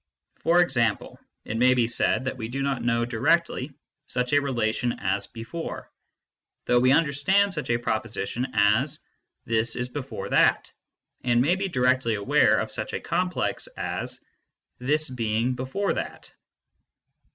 For example, it may be said that we do not know directly such a relation as before, though we understand such a proposition as " this is before that/ and may be directly aware of such a complex as " this being before that."